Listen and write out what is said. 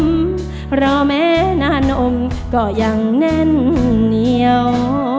เพราะแม้นานมก็ยังแน่นเหนียว